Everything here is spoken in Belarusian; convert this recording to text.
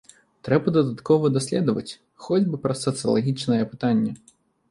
Трэба дадаткова даследаваць хоць бы праз сацыялагічныя апытанні.